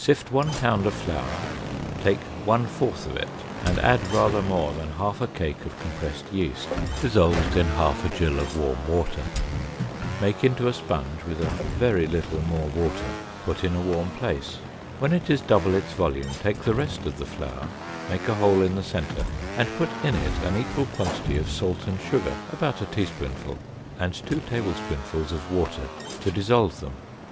Sift one pound of flour, take one fourth of it, and add rather more than half a cake of compressed yeast, dissolved in half a gill of warm water, make into a sponge with a very little more water, put it in a warm place; when it is double its volume take the rest of the flour, make a hole in the center, and put in it an equal quantity of salt and sugar, about a teaspoonful, and two tablespoonfuls of water to dissolve them.